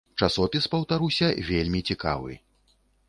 Часопіс, паўтаруся, вельмі цікавы.